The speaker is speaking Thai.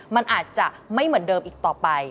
มันอาจจะไม่เหมือนเดิมอีกต่อไป